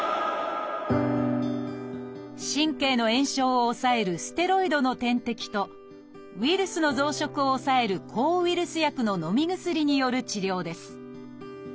神経の炎症を抑えるステロイドの点滴とウイルスの増殖を抑える抗ウイルス薬ののみ薬による治療です